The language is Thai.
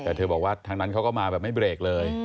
แต่เธอบอกว่าทางนั้นเขาก็มาแบบไม่เบรกเลย